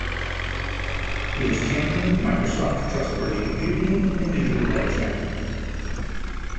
He has championed Microsoft Trustworthy Computing and digital rights management.